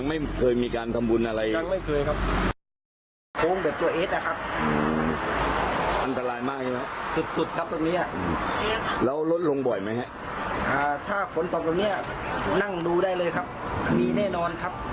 นั่งดูได้เลยครับมีแน่นอนครับ